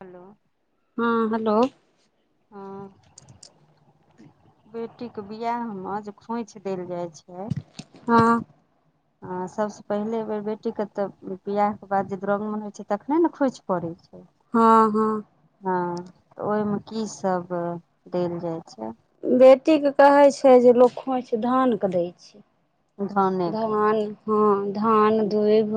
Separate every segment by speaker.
Speaker 1: Hello
Speaker 2: हँ hello
Speaker 1: हँ बेटीके बिआहमे जे खोइछ देल जाइ छै
Speaker 2: हँ
Speaker 1: आ सबसे पहिले बेर बेटी के तऽ बियाह के बाद जे दरगमन होइ छै तखने ने खोइच पड़ै अच्छा
Speaker 2: हँ हँ
Speaker 1: हँ तऽ ओहिमे की सब देल जाइत छै
Speaker 2: बेटीके कहै छै जे लोक खोँइछ धानके दै छै
Speaker 1: धाने के
Speaker 2: धान हँ धान दुइब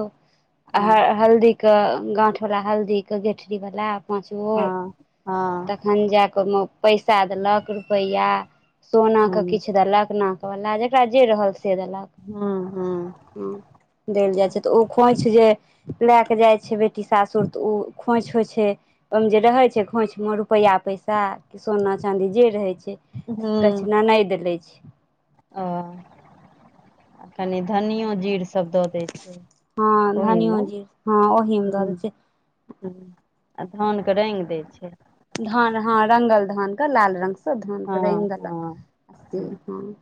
Speaker 2: आ
Speaker 1: हँ
Speaker 2: हल्दी के गाँठवला हल्दीके गेठरीवला पाँचगो
Speaker 1: हँ ह
Speaker 2: तखन जाय कऽ ओहिमे पैसा देलक रुपैआ सोना के किछु देलक नाक म जकरा जे रहल से देलक है देल जाइ छै तऽ ओ खोइछ जे लए कऽ जाइ छै बेटी सासुर तऽ ओ खोंइछ होइ छै ओमे जे रहै छै खोंछ मे रुपैआ पैसा कि सोना चाँदी जे रहैत छै
Speaker 1: ह
Speaker 2: करै
Speaker 1: ह
Speaker 2: छै ननैद लय छै
Speaker 1: ओ कनि धनियो जीर सब दऽ दै छै
Speaker 2: हँ
Speaker 1: ओहिमे
Speaker 2: धनिओ जीर ह ओही मे दऽ
Speaker 1: हुं,
Speaker 2: दै छै
Speaker 1: आ धानके रङ्गि दै छै
Speaker 2: धान हँ रंगल धान के लाल रंगसँ धान के
Speaker 1: हँ
Speaker 2: रंगि देलक
Speaker 1: हँ
Speaker 2: से
Speaker 1: हुं।
Speaker 2: हँ।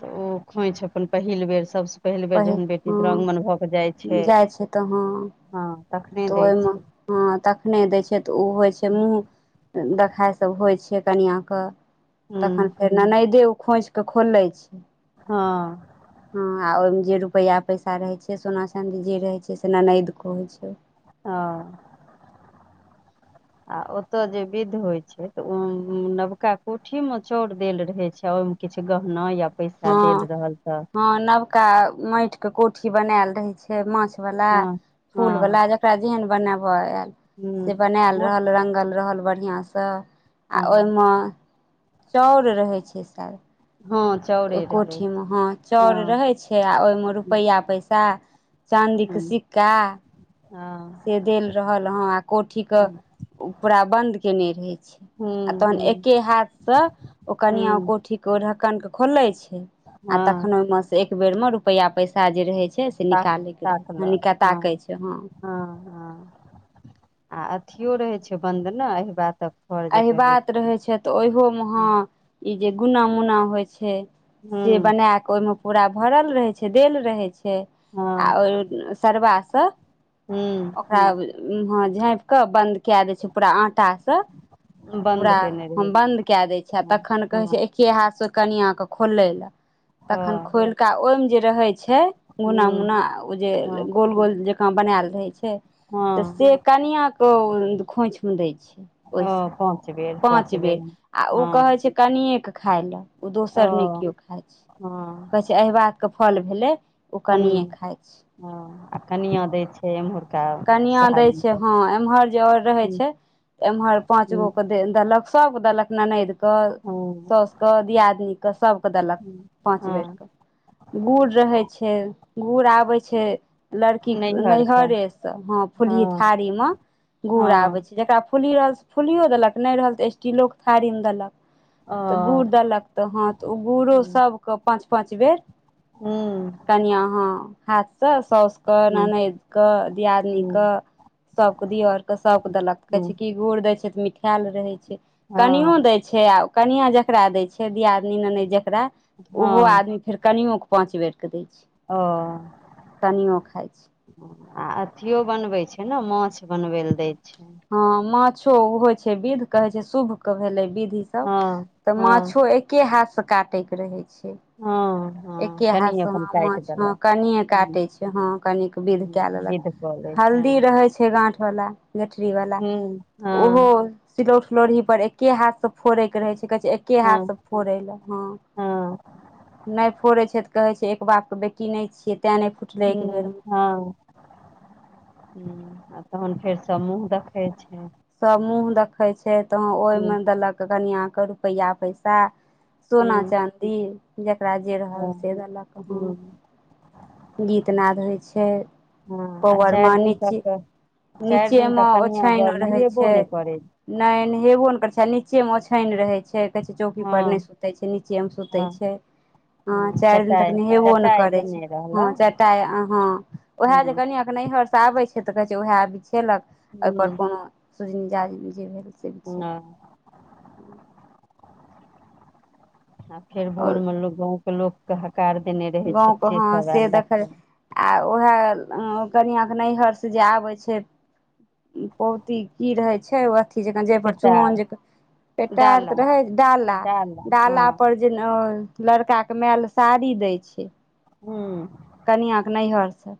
Speaker 1: तऽ ओ खोइछ अपन पहिल बेर सभ स पहिल बेर जखन बेटी दुर्रङ्गमनबऽ कऽ जाइ छैय।
Speaker 2: जाइ छै तऽ हँ
Speaker 1: हँ तखने
Speaker 2: तऽ
Speaker 1: दै
Speaker 2: ओहिमे
Speaker 1: छैय।
Speaker 2: हँ तखने दै छैय तऽ ओ होइ छैय मूँह देखाइ सभ होइ छैय कनिआँके। तखन
Speaker 1: हुँ
Speaker 2: फेर ननैदे ओ खोँछिकऽ खोलैत छैय।
Speaker 1: हँ
Speaker 2: हँ आ ओहिमे जे रुपैआ पैसा रहै छैय सोना चाँदी जे रहै छैय से ननदिक होइ छैय।
Speaker 1: हँ आ ओत जे विध होय छैय तऽ नवका कोठी मे चाउर देल रहय छैय ओहि किछु गहना या पैसा
Speaker 2: हँ
Speaker 1: देल रहल तऽ
Speaker 2: हँ नबका माटीके कोठी बनालि रहे छैय माछ वाला
Speaker 1: हँ हँ
Speaker 2: फूल वाला जक रा जेहन बनाबय आयल से
Speaker 1: हुँ
Speaker 2: बनायल
Speaker 1: माछ
Speaker 2: रहल रङ्गल रहल बढ़िआँसँ। आ
Speaker 1: हँ
Speaker 2: ओहिमे चावर रहै छैय स
Speaker 1: हँ
Speaker 2: ओ
Speaker 1: चाउरे रहै
Speaker 2: कोठीमे हँ चाउर
Speaker 1: हँ
Speaker 2: रहै छैय आ ओहिमे रुपैआ पैसा चाँदीके
Speaker 1: हुँ
Speaker 2: सिक्का
Speaker 1: हँ
Speaker 2: से देल रहल हँ आ कोठीक
Speaker 1: हुँ
Speaker 2: ओ पूरा बन्द कयने रहैत छैय आ तहन
Speaker 1: हुँ
Speaker 2: एके हाथसँ ओ कनिआँ
Speaker 1: हुँ
Speaker 2: कोठीक ढक्कन के खोले छैय आ तखन
Speaker 1: हँ
Speaker 2: ओमेंसे एक बेर में रुपया पैसा जे रहे छैय से
Speaker 1: ताक
Speaker 2: निकालै के रहै
Speaker 1: ताकलक हँ
Speaker 2: छैय [unintelligible] छैय हँ।
Speaker 1: हँ हँ आ अथियो रहै छैय बन्द ने एहिबातक
Speaker 2: एहिबात रहै छैय तऽ ओहोमे हां ई जे गुना मुना होइ छैय से
Speaker 1: हुं
Speaker 2: बना के ओहिमे पूरा भरल रहै छैय देल रहै छैय। आ
Speaker 1: हँ
Speaker 2: ओय सरबासँ
Speaker 1: हुं
Speaker 2: ओकरा झाँपिकऽ बन्द कए दै छैय पूरा आटासँ।
Speaker 1: बन्द
Speaker 2: पूरा
Speaker 1: केने रहै
Speaker 2: हम
Speaker 1: छै।
Speaker 2: बन्द कए दै छियै आ
Speaker 1: हँ
Speaker 2: तखन कहै
Speaker 1: हँ
Speaker 2: छैय एके हाथसँ कनिआँकेँ खोलय लए।
Speaker 1: हँ
Speaker 2: तखन का ओहिमे जे रहै छैय गुना
Speaker 1: हुं
Speaker 2: मुना ओ जे
Speaker 1: हँ
Speaker 2: गोल गोल जकाँ बनायल रहै छैय। तऽ
Speaker 1: हँ
Speaker 2: से कनिआँके खोंइछ मे दै छियै।
Speaker 1: ओ क
Speaker 2: पांच बेर आ उ कहै छैय कनियेके खाय ले ओ दोसर ने केव खेतय।
Speaker 1: हँ
Speaker 2: कहै छैय अहिबातके फल भेलै ओ कनिए
Speaker 1: हुं
Speaker 2: खाइत छैय।
Speaker 1: हँ आ कनिय दै छैय। हे [unintelligible]
Speaker 2: कनिया दै छैय हँ एम्हर जे आओर रहै
Speaker 1: हुं
Speaker 2: छैय एमहर पाँच गो
Speaker 1: हुं
Speaker 2: के दलक सोग दलक ननैद। के
Speaker 1: हँ
Speaker 2: साउसुके दियादीनीके सभकेँ देलक पाँच
Speaker 1: हँ
Speaker 2: बेरके। गुड़ रहै छैय गुड़ आबै छैय लड़कीके
Speaker 1: नैहर से
Speaker 2: नैहरेसँ। हँ फुलही
Speaker 1: हँ
Speaker 2: थारी में गुड़ आबे
Speaker 1: हँ
Speaker 2: छैय जेकरा फुली रहल त फुलियो देलक नहि रहल तऽ स्टीलोके थारीमे देलक।
Speaker 1: ओ
Speaker 2: तऽ गुड़ देलक तऽ हा तऽ ओ गुड़ो
Speaker 1: हुं
Speaker 2: सभके पाँच पाँच बेर
Speaker 1: हुं
Speaker 2: कनिया हाँ हाथसँ सौस क ननैद क न
Speaker 1: हुं
Speaker 2: कऽ सब के दिय आर के सब देलक कहै
Speaker 1: हुं
Speaker 2: छैय की गुर दय छैय त मिखायल रहे छैय
Speaker 1: हँ
Speaker 2: कनियो छै कनिया जेकरा दै छै दियादनी मे नै जेकरा
Speaker 1: हँ
Speaker 2: उहो आदमी। कनियो के पाँच बेरके दै छै
Speaker 1: ओ
Speaker 2: कनियो खाइ छै
Speaker 1: आ अथियो बनबैत छै ने माछ बनबै लए दैत छै
Speaker 2: हँ माछो ओ होइ छै विध कहे छै शुभ के भेले विधि।
Speaker 1: हँ हँ
Speaker 2: माछो एके हाथसँ काटैके रहै छै
Speaker 1: हँ
Speaker 2: एके
Speaker 1: हँ कनि
Speaker 2: हाथसँ
Speaker 1: अपन
Speaker 2: हँ
Speaker 1: काटि
Speaker 2: माछ हँ
Speaker 1: देलक
Speaker 2: कनिये
Speaker 1: हूँ
Speaker 2: काटै छै हँ कनिक विध कए
Speaker 1: हूँ
Speaker 2: लेलक
Speaker 1: विध कऽ लै छै
Speaker 2: हल्दी रहै छै गाठवला गेठरीवला
Speaker 1: हूँ
Speaker 2: ओहो
Speaker 1: हँ
Speaker 2: सिलौठ लोढ़ी पर एके हाथसँ फोड़यके रहै छै कहै छै एके
Speaker 1: हँ
Speaker 2: हाथसँ फोड़य लए हँ
Speaker 1: हँ
Speaker 2: नहि फोड़ै छै तऽ कहै छै एक बापके बेटी नहि छियै तें नहि फुटलै
Speaker 1: हू
Speaker 2: एक बेरमे
Speaker 1: हँ तहन फेरसँ मूँह देखै छै
Speaker 2: सभ मूँह देखै छै तऽ
Speaker 1: हूँ
Speaker 2: ओहिमे देलक कनिआँकेँ रुपैआ पैसा। सोना
Speaker 1: हूँ
Speaker 2: चाँदी जकरा जे रहल
Speaker 1: हँ
Speaker 2: से देलक हँ।
Speaker 1: हूँ
Speaker 2: गीत नाद होइ छै
Speaker 1: हँ आ
Speaker 2: पौवरमे
Speaker 1: चारि दिन
Speaker 2: नीच
Speaker 1: तक चारि दिन
Speaker 2: नीचेमे
Speaker 1: तक कनिया
Speaker 2: ओछेण
Speaker 1: बर
Speaker 2: रहै
Speaker 1: नहेबो
Speaker 2: छै।
Speaker 1: नहि करै छै।
Speaker 2: नहि नहेबो ने करै छै आ नीचे मे ओछेन रहै छै कहे छै चौकी पर ने
Speaker 1: हँ
Speaker 2: सुते छै नीचे मे सुते
Speaker 1: हँ
Speaker 2: छै हँ चार दिन तक
Speaker 1: चटाइ
Speaker 2: नहेबो नहि
Speaker 1: चटाइ
Speaker 2: करै छै
Speaker 1: देने
Speaker 2: हँ
Speaker 1: रहलक
Speaker 2: चार टा हँ उएह जे
Speaker 1: हूँ
Speaker 2: कनियाँ नैहर से आबै छै तऽ कहै छैएह आब छै खेलक एहिपर
Speaker 1: हूँ
Speaker 2: कोनो सूजनी जाजिम जे भेल से
Speaker 1: हँ
Speaker 2: भ
Speaker 1: आ फेर
Speaker 2: आओर
Speaker 1: भोरमे लोक गाँंके लोगके हकार देने रहै छै
Speaker 2: गाँवके
Speaker 1: से
Speaker 2: हँ
Speaker 1: सब आयल
Speaker 2: देखल
Speaker 1: रखै
Speaker 2: आ उएह कनिआँके नैहरसँ जे आबै छै। पौती की रहै छै अ [unintelligible] जक जे पर चुमौन
Speaker 1: बेटार
Speaker 2: जे पेटार
Speaker 1: डाला
Speaker 2: त रहे डाला डाला पर जेना लड़का के माय ले साड़ी दै छै
Speaker 1: हूँ
Speaker 2: कनिआँके नैहरसँ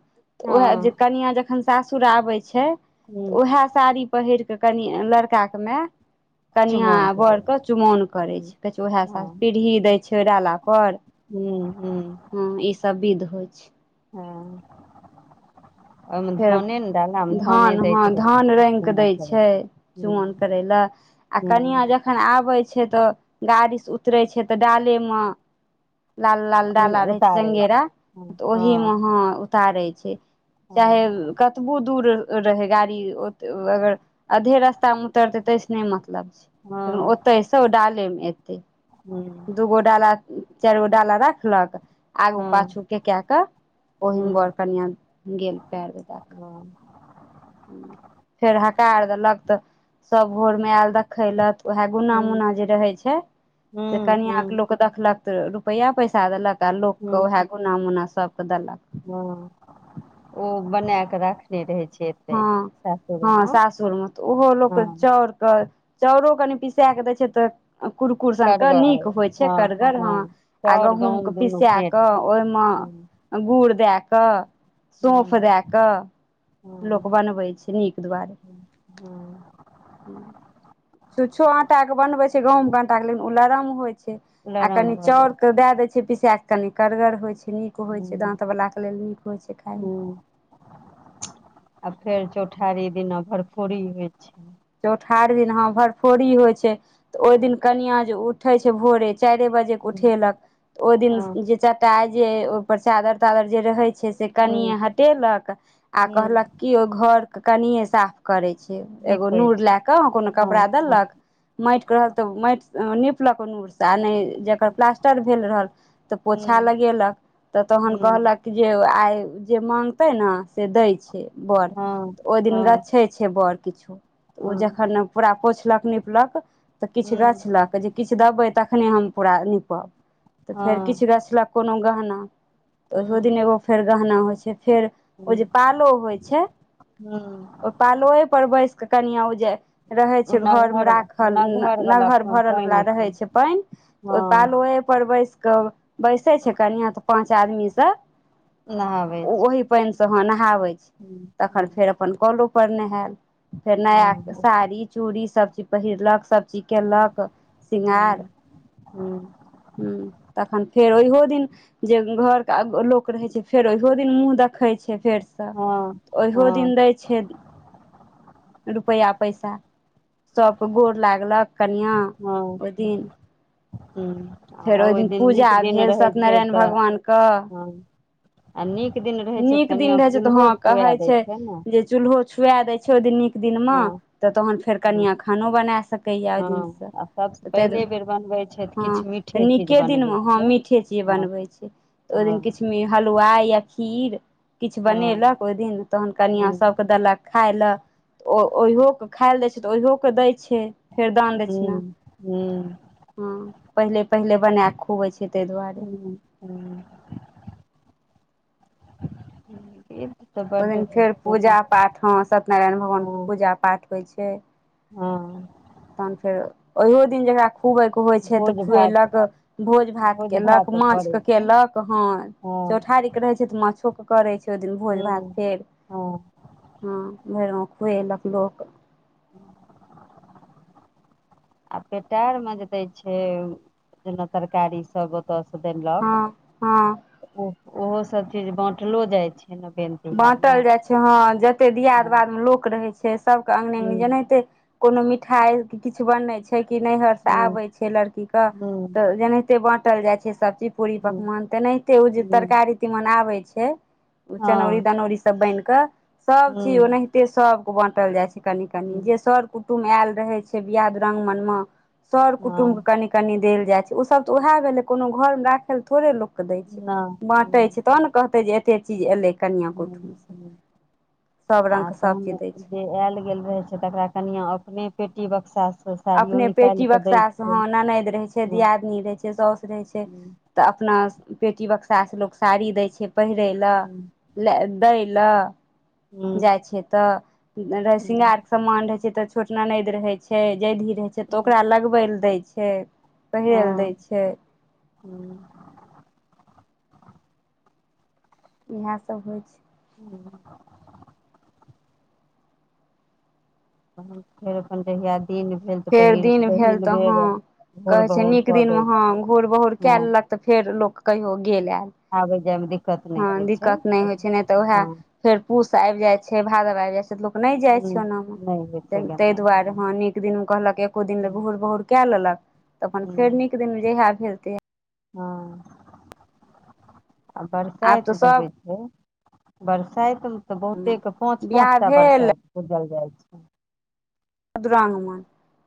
Speaker 2: ओएह जे
Speaker 1: हँ
Speaker 2: कनिआँ जखन सासुर आबै छै
Speaker 1: हूँ
Speaker 2: उएह साड़ी पहिर क कनि लड़का के माय कनियाँ
Speaker 1: चुमौन करै
Speaker 2: बरके चुमौन करै छै कहै छै
Speaker 1: हँ
Speaker 2: उएह पीढ़ी दैत छै ओ डाला पर
Speaker 1: हूँ हुँ
Speaker 2: सब विध होइ छै।
Speaker 1: हँ [inaudible] ओहिमे
Speaker 2: फेर
Speaker 1: धाने ने डाल धाने
Speaker 2: धान हँ
Speaker 1: दैत हेतै
Speaker 2: धान रंगि कऽ दै छै
Speaker 1: हु ह [unintelligible]
Speaker 2: कनियाँ जखन आबे छै तऽ गाड़ीसँ उतरे छै तऽ डाले मे लाल लाल डाला रहै छै
Speaker 1: उतारै
Speaker 2: चंगेरा
Speaker 1: हँ
Speaker 2: तऽ ओहि मे
Speaker 1: हँ
Speaker 2: ह उतारे छै चाहे
Speaker 1: हँ
Speaker 2: कतबो दूर रहै गाड़ी अगर अधे रास्ता मे उतरतै तेस नहि मतलब छै लेकिन ओते से ओ डाले मे एतै
Speaker 1: हूँ
Speaker 2: दू गो डाला चारि गो डाला राखलक। आगू पाछू
Speaker 1: हँ
Speaker 2: के के के ओहिमे
Speaker 1: हूँ
Speaker 2: बड़ कनिया गेल पैंर बे
Speaker 1: हँ
Speaker 2: फेर हकार देलक तऽ सब भोर में आयल खलत उह गुना
Speaker 1: हूँ
Speaker 2: उना जे रहै छै से
Speaker 1: हूँ
Speaker 2: कन के
Speaker 1: हूँ
Speaker 2: देखलक तऽ रुपैआ पैसा देलक आ लोकके
Speaker 1: हूँ
Speaker 2: उएह गुना मुना सबके देलक
Speaker 1: हँ ओ बना कऽ राखने रहै छै एते
Speaker 2: हँ हँ
Speaker 1: सासुरेमे
Speaker 2: सासुरमे तऽ ओहो लोक
Speaker 1: हँ
Speaker 2: चाउरके चाउरो कनि पिसा क दै छै तऽ कुरकुर सनके
Speaker 1: करगर
Speaker 2: नीक होइ छै
Speaker 1: हँ
Speaker 2: करगर हँ आ
Speaker 1: चाउर गहूँम
Speaker 2: गहूंमके
Speaker 1: दुनू
Speaker 2: पिसा
Speaker 1: फेट
Speaker 2: कऽ ओहिमे
Speaker 1: हँ
Speaker 2: गुड़ दए कऽ सौँफ
Speaker 1: हँ
Speaker 2: दए कऽ लोक
Speaker 1: हँ
Speaker 2: बनबै छै नीक
Speaker 1: हँ
Speaker 2: दुआरे छुच्छो आंटा के बनबे छै गहुम के आंटा के लेकिन उ लरम होइ छै आ
Speaker 1: लरम
Speaker 2: कनि
Speaker 1: भऽ जाइ
Speaker 2: चाउर
Speaker 1: छै।
Speaker 2: के दए देय छै पिसा के कनि कगर होइ छै नीक होइ छै
Speaker 1: हँ
Speaker 2: दाँतवलाके लेल नीक होइ छै खाइमे
Speaker 1: हँ आ फेर चौठारी दिना भरपूरी होइत छै
Speaker 2: चौठार दिन हा भरफोरी होइ छै त ओहि दिन
Speaker 1: हँ
Speaker 2: कनिया जे उठे छै भोरे चारे बजे उठेलक ओहि दिन
Speaker 1: हँ
Speaker 2: जे चटा जे ओप चादर तादर जे रहै छै से
Speaker 1: हँ
Speaker 2: कनिये हटेलक आ
Speaker 1: हँ
Speaker 2: कहलक क ओ घरके कनिये साफ करै छै एगो
Speaker 1: निपै
Speaker 2: नूर
Speaker 1: छै
Speaker 2: ले के कोनो
Speaker 1: हँ
Speaker 2: कपड़ा
Speaker 1: हँ
Speaker 2: देलक माटि के रहल त माटि नीपलक नूर आ नहि
Speaker 1: हँ
Speaker 2: जकर प्लास्टर भेल रहल तऽ पोछा
Speaker 1: हँ
Speaker 2: लगेलक तऽ तहन
Speaker 1: हँ
Speaker 2: कहलक कि जे आइ जे माँगतै ने से दै छै बड़
Speaker 1: हँ
Speaker 2: तऽ ओहि दिन
Speaker 1: हँ
Speaker 2: गाछे छै बड़ किछु त ओ
Speaker 1: हँ
Speaker 2: जखन पूरा पोछलक नीपलक तऽ किछु
Speaker 1: हँ
Speaker 2: गाछलक जे किछु देबै तखने हम पूरा न निपब तऽ फेर किछु
Speaker 1: हँ
Speaker 2: गछलक कोनो गहना तऽ ओहिहो दिन
Speaker 1: हँ
Speaker 2: एगो फेर गहना होइ छै फेर ओ जे पालो होइ छै
Speaker 1: हँ
Speaker 2: ओ पालोए पर बैस कऽ कनिआ ओ जे रहै छै घरमे
Speaker 1: नगहर
Speaker 2: राखल
Speaker 1: नगहर वाला
Speaker 2: नहर
Speaker 1: प-
Speaker 2: भरल वला
Speaker 1: पानि
Speaker 2: रहै छै पानि ओहि
Speaker 1: हँ
Speaker 2: पालोहपर बैस कऽ बैसै छै कनिआँ तऽ पाँच आदमीसँ
Speaker 1: नहाबै छै
Speaker 2: पानि से ह नहाबै छी
Speaker 1: हँ
Speaker 2: तखन
Speaker 1: हँ
Speaker 2: फेर अपन कलोप पर नहायल फेर नया
Speaker 1: हँ
Speaker 2: साड़ी चूड़ी सभ चीज पहिरलक सभ ची केलक सृंगार
Speaker 1: हँ
Speaker 2: तखन फेर ओहो दिन जे घरके लोक रहै छै फेर ओहियहो दिन मुँह देखैत छै फेर
Speaker 1: हँ
Speaker 2: ओहिहो दिन दै छै रुपैआ पैसा सभके गोर लागलक कनिआँ
Speaker 1: हँ
Speaker 2: ओहि दिन फेर
Speaker 1: आ
Speaker 2: ओहि दिन
Speaker 1: नीक
Speaker 2: पूजा
Speaker 1: दिन
Speaker 2: भेल
Speaker 1: रहै छै
Speaker 2: सत्यनारायण भगवानके
Speaker 1: अ नीक दिन रहै छै तऽ
Speaker 2: नीक दिन
Speaker 1: कनिआँ
Speaker 2: रहे छै तऽ हँ
Speaker 1: चूल्हो
Speaker 2: कहे
Speaker 1: छुआ दै
Speaker 2: छै
Speaker 1: ने
Speaker 2: जे चूल्हो छुआ देय छै ओहि दिन न एक दिन मे
Speaker 1: हँ
Speaker 2: तऽ तहन फेर
Speaker 1: हँ
Speaker 2: कनिया खानो बना सकैया ओहि
Speaker 1: हँ
Speaker 2: दिनसँ
Speaker 1: आ सभसँ
Speaker 2: तऽ ताहि
Speaker 1: पहिले
Speaker 2: दुआरे
Speaker 1: बेर बनबै छै तऽ
Speaker 2: हँ
Speaker 1: किछु
Speaker 2: तऽ
Speaker 1: मीठे चीज
Speaker 2: नीके
Speaker 1: बनबै
Speaker 2: दिनमे हँ
Speaker 1: छै
Speaker 2: मीठे
Speaker 1: हँ हँ
Speaker 2: हलुवा या खीर किछु
Speaker 1: हँ
Speaker 2: बनेलक ओहि दिन तहन कनिया
Speaker 1: हूँ
Speaker 2: सबके देलक खाय लए त ओ ओहियोके खाय लए दै छै तऽ ओहिओोके दै छै फेर दान दै छ ने
Speaker 1: हूँ हूँ
Speaker 2: हँ पहिले पहिले बनााकऽ खुआबै छै ताहि दुआरे
Speaker 1: ह [unintelligible]
Speaker 2: ओहि दिन
Speaker 1: होइ
Speaker 2: फेर
Speaker 1: छै ने
Speaker 2: पूजा पाठ हँ सत्यनारायण भगवानके
Speaker 1: हँ
Speaker 2: पूजा पाठ होइ छैय।
Speaker 1: हँ
Speaker 2: तहन फेर ओहो दिन जकरा खुआयबेके होइ छैय
Speaker 1: भोज
Speaker 2: तऽ
Speaker 1: भात
Speaker 2: खुएलक। भोज भात कयेलक
Speaker 1: भात करै
Speaker 2: माछके
Speaker 1: छै
Speaker 2: कयेलक हँ।
Speaker 1: हँ
Speaker 2: रहै चौठारीके छैय तऽ माछोकेँ करै छैय ओहि दिन भोज भात
Speaker 1: हूँ
Speaker 2: फेर।
Speaker 1: हँ
Speaker 2: हँ भरि गांव खुएलक लोक।
Speaker 1: आ आ पेटरीमे जे दै छैय जेना तरकारी सब ओतऽसँ देलक
Speaker 2: हँ हँ
Speaker 1: ओ ओहो सब चीज बटलो जाइ छैय ने फेर।
Speaker 2: बाँटल जाइ छैय हँ जतेक दियाद
Speaker 1: हँ
Speaker 2: बादमे लोक रहै छैय सभके अङंगने अङ्गनी
Speaker 1: हूँ
Speaker 2: जेनाहिते कोनो मिठाइ किछु बनै छैय कि नैहरसँ
Speaker 1: हूँ
Speaker 2: आबै छैय लड़कीके
Speaker 1: हूँ
Speaker 2: तऽ जेना एते बाँंटल जाय छैय सब चीज पूरी
Speaker 1: हूँ
Speaker 2: पकमान तेनाहिते ओ जे
Speaker 1: हूँ
Speaker 2: तरकारी तीमन आबय छैय। चनौरी
Speaker 1: हँ
Speaker 2: दनौरी सब बनिके सब चीज
Speaker 1: हूँ
Speaker 2: ओनाहिते सब के बाँटल जाइ छैय कनिक। कनि जे
Speaker 1: हूँ
Speaker 2: सर कुटुम्ब आयल रहे छैय बियाह दुरांगमन में सर कुटुम् के
Speaker 1: हँ
Speaker 2: कनि कनि देल जाइ छैय ओ सब तऽ वैह भेलै कोनो घरमे राखै लऽ थोड़े लोक के दै
Speaker 1: नहि
Speaker 2: छैय
Speaker 1: नहि
Speaker 2: बाँटे छैय तब ने कहते जे एते चीज एलै। कनिआँके
Speaker 1: ह
Speaker 2: ओहिठुमसँ
Speaker 1: ह
Speaker 2: सभ
Speaker 1: आ
Speaker 2: रङ्गके सभ चीज
Speaker 1: त
Speaker 2: दै छै
Speaker 1: जे आयल गेल रहै छैय तकरा कनिआँ अपने पेटी बक्सासँ
Speaker 2: अपने पेटी बक्सासँ हँ ननैद रहै छैय
Speaker 1: हँ
Speaker 2: दियादिनी रहै छैय सौस रहै छैय।
Speaker 1: हूँ
Speaker 2: तऽ अपना पेटी बक्सासँ लोक साड़ी दै छैय पहिरे ल। दै ल
Speaker 1: हूँ
Speaker 2: जाइ छियै तऽ रह श्रृंगार के समान रहै छैय तऽ छोट ननैद रहै छैय जैधी रहै छैय तऽ ओकरा लगबै लए दै छैय। पहेल दै छैय।
Speaker 1: हूं
Speaker 2: इहे सब होइ छैय।
Speaker 1: हू फेर अपन जहिआ
Speaker 2: फेर दिन भेल तऽ ह
Speaker 1: भोर
Speaker 2: कहै छैय
Speaker 1: बहुर
Speaker 2: नीक
Speaker 1: कऽ दै
Speaker 2: दिनमेह
Speaker 1: छै।
Speaker 2: घूर बहुर कए
Speaker 1: हँ
Speaker 2: लेलक तऽ फेर लोक कहियो गेल आयल
Speaker 1: आबै जायमे दिक्कत नहि
Speaker 2: हँ
Speaker 1: होइ छै
Speaker 2: दिक्कत नहि होइ छैय नहि तऽ उएह
Speaker 1: हँ
Speaker 2: फेर पूस आयब जाय छैय भादव आब जाय छैय। त लोक नै जाय
Speaker 1: हूँ
Speaker 2: छैय ओनाहो
Speaker 1: नहि होइ
Speaker 2: त
Speaker 1: छै
Speaker 2: तहि
Speaker 1: गेनाइ
Speaker 2: दुआरे
Speaker 1: हँ
Speaker 2: ह निक दिनमे एको दिन घूर बहुर कए लेलक त अपन फेर
Speaker 1: हूँ
Speaker 2: नीक दिन मे जहिया भेल तहिया
Speaker 1: हँ आ
Speaker 2: आब
Speaker 1: बरसाइत
Speaker 2: तऽ
Speaker 1: जे होइ
Speaker 2: सभ
Speaker 1: छैय बरसाइत मे तऽ बहुते पांच पांच
Speaker 2: बियाह
Speaker 1: टा
Speaker 2: भेल
Speaker 1: बरसाइत पूजल जाइ छैय।
Speaker 2: आ दुरागमन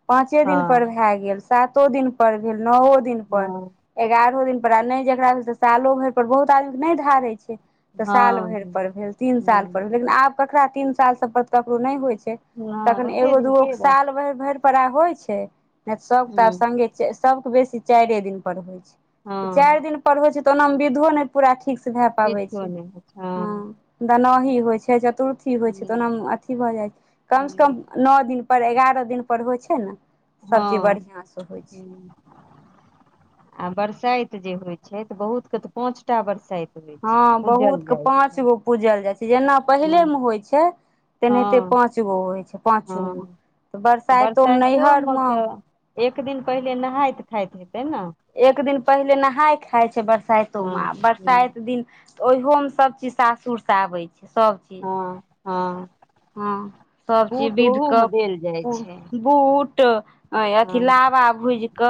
Speaker 2: पाँचे
Speaker 1: हँ
Speaker 2: दिन पर भए गेल सातो दिन पर भेल नओ दिन दिन पर
Speaker 1: हँ
Speaker 2: एगारहो दिन पर आ नहि जेकरा भेल तऽ सालो भैर पर बहुत आदमी के नहि धारय छैय। तऽ साल
Speaker 1: हँ
Speaker 2: भैर पर भेल तीन सालपर
Speaker 1: हँ
Speaker 2: भेल लेकिन आब ककरा तीन साल सभ पर ककरो नहि होइत छैय।
Speaker 1: नहि ओते दिन
Speaker 2: लोग
Speaker 1: के रह
Speaker 2: साल भैर भैर पर होइ छैय त सब तब
Speaker 1: हूँ
Speaker 2: संगे सबके बेसी चारि दिन पर होइ छैय त चार
Speaker 1: हँ
Speaker 2: दिन पर होइ छैय तऽ ओना मे विधो नहि पूरा ठीकसँ भए पाबै
Speaker 1: किछो
Speaker 2: छैय
Speaker 1: नहि
Speaker 2: हँ। दनही होय छैय चतुर्थी होय छैय तऽ ओना
Speaker 1: हूँ
Speaker 2: मे अथी भए जाय छैय कम से
Speaker 1: हूँ
Speaker 2: कम नओ दिन पर एगारह दिन पर होइ छैय ने सब चीज
Speaker 1: हँ
Speaker 2: बढ़िआं सँ होइ छै
Speaker 1: ह आ बरसाइत जे होइ छै तऽ बहुतके तऽ पाँच टा बरसाइत होइ छै
Speaker 2: हँ
Speaker 1: पूजल
Speaker 2: बहुतके
Speaker 1: जाइ छै
Speaker 2: पाँच गो पूजल जाइ छै जेना
Speaker 1: हँ
Speaker 2: पहिलेमे होइ छै तेनाहिते
Speaker 1: हँ
Speaker 2: पाच गो होइ छै पाचोमे
Speaker 1: हँ
Speaker 2: तऽ
Speaker 1: तऽ
Speaker 2: बरसाइतोमे नैहरमे
Speaker 1: तऽ एक दिन पहिले नहाइत खाइत हेतै ना
Speaker 2: एक दिन पहिले नहााय खााय छै
Speaker 1: हँ
Speaker 2: बरसाइतोमे बरसाइत
Speaker 1: हूँ
Speaker 2: दिन ओहोमे सभचीज सासुरसँ आबै छै सभ
Speaker 1: हँ हँ
Speaker 2: सब चीज
Speaker 1: बूट
Speaker 2: विध
Speaker 1: ओहोमे
Speaker 2: कऽ
Speaker 1: देल जाइ छै
Speaker 2: बूट अथी
Speaker 1: हँ
Speaker 2: लाबा भूजिक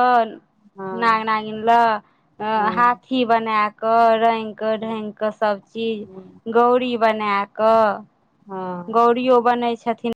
Speaker 2: नाग
Speaker 1: हँ
Speaker 2: नानिन ल
Speaker 1: हँ
Speaker 2: हाथी बनाए कऽ रंग कऽ
Speaker 1: हूँ
Speaker 2: ढंग कऽ सभचीज
Speaker 1: हूँ
Speaker 2: गौरी बना कऽ
Speaker 1: हँ
Speaker 2: गौरी बनै छथिन